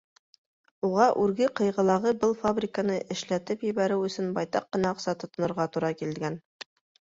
Уға Үрге Ҡыйғылағы был фабриканы эшләтеп ебәреү өсөн байтаҡ ҡына аҡса тотонорға тура килгән.